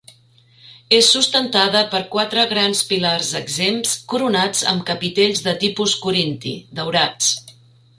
És sustentada per quatre grans pilars exempts coronats amb capitells de tipus corinti, daurats.